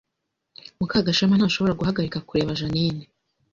Mukagashema ntashobora guhagarika kureba Jeaninne